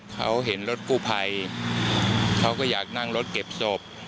เขาเห็นรถกู้ภัยเขาก็อยากนั่งรถเก็บศพ